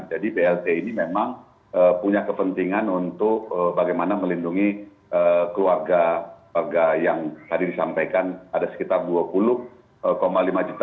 jadi blt ini memang punya kepentingan untuk bagaimana melindungi keluarga keluarga yang tadi disampaikan ada sekitar dua puluh lima juta